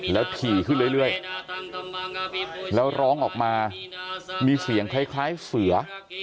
แล้วถี่ขึ้นเรื่อยแล้วร้องออกมามีเสียงคล้ายเสือ